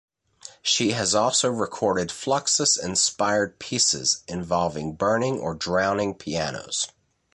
She has also recorded Fluxus-inspired pieces involving burning or drowning pianos.